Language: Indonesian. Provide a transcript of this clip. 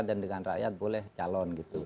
dan dengan rakyat boleh calon